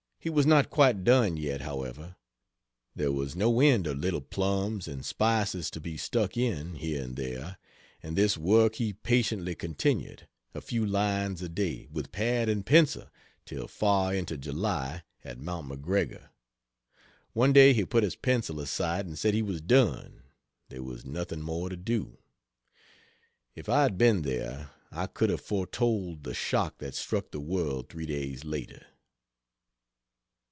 He was not quite done yet, however: there was no end of little plums and spices to be stuck in, here and there; and this work he patiently continued, a few lines a day, with pad and pencil, till far into July, at Mt. McGregor. One day he put his pencil aside, and said he was done there was nothing more to do. If I had been there I could have foretold the shock that struck the world three days later.